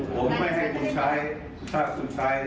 ไม่ได้สนใจมันแค่นี้เองแต่ผมไม่ได้สนใจถึงขนาด